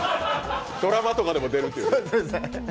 ドラマとかでも出るという。